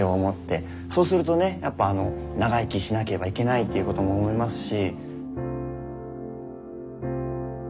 そうするとねやっぱ長生きしなければいけないっていうことも思いますし。